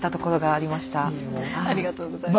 ありがとうございます。